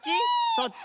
そっち？